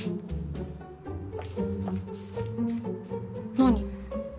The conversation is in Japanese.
何？